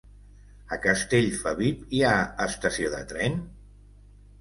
A Castellfabib hi ha estació de tren?